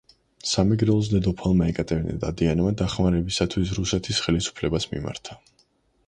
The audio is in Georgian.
სამეგრელოს დედოფალმა ეკატერინე დადიანმა დახმარებისათვის რუსეთის ხელისუფლებას მიმართა.